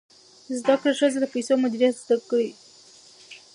زده کړه ښځه د پیسو مدیریت زده کړی.